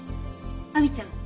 亜美ちゃん